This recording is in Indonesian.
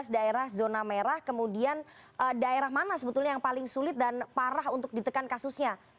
tujuh belas daerah zona merah kemudian daerah mana sebetulnya yang paling sulit dan parah untuk ditekan kasusnya